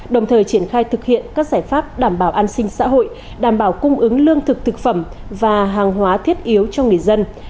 đồng thời triển khai thực hiện các giải pháp đảm bảo an sinh xã hội đảm bảo cung ứng lương thực thực phẩm và hàng hóa thiết yếu cho người dân